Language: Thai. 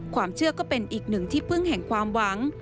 ความเชื่อก็เป็นอีกหนึ่งที่เพิ่งแห่งความหวัง